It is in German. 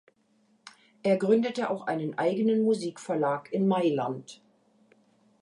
Er gründete auch einen eigenen Musikverlag in Mailand.